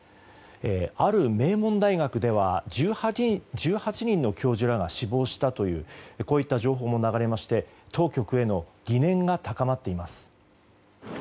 ある名門大学では１８人の教授らが死亡したという情報も流れまして当局への疑念が高まっています。